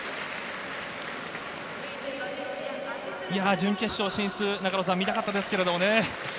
準決勝進出、見たかったですけどね。